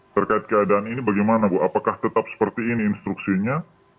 terkait keadaan ini bagaimana bu apakah tetap seperti ini instruksinya